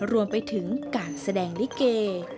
รวมไปถึงการแสดงลิเก